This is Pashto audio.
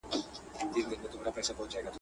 انسانانو یو متل دی پیدا کړی.